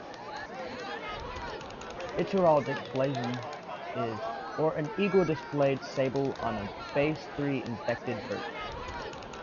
Its heraldic blazon is "Or, an eagle displayed sable on a base three-invected vert".